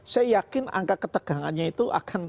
saya yakin angka ketegangannya itu akan